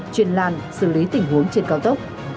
truyền làn xử lý tình huống trên cao tốc